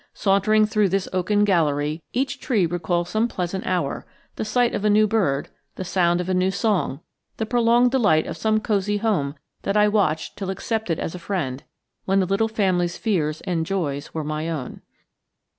Sauntering through this oaken gallery, each tree recalls some pleasant hour the sight of a new bird, the sound of a new song, the prolonged delight of some cozy home that I watched till accepted as a friend, when the little family's fears and joys were my own.